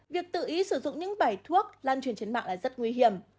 việc tự ý sử dụng những bài thuốc lan truyền trên mạng là rất nguy hiểm